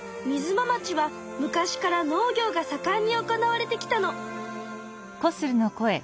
ま町は昔から農業がさかんに行われてきたの。